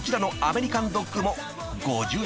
５０円？